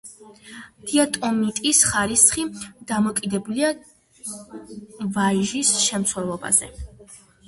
დიატომიტის ხარისხი დამოკიდებულია კაჟის შემცველობაზე.